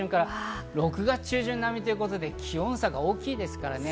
６月中旬並みということで気温差が大きいですからね。